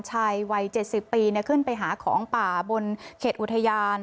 วัย๗๐ปีขึ้นไปหาของป่าบนเขตอุทยาน